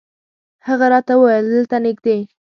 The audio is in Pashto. هغه راته وویل دلته نږدې.